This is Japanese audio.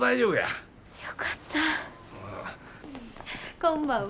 こんばんは。